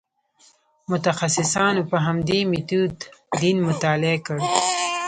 متخصصانو په همدې میتود دین مطالعه کړ.